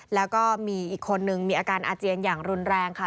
แล้วก็มีอีกคนนึงมีอาการอาเจียนอย่างรุนแรงค่ะ